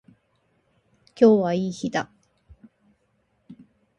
今日はいい日だ。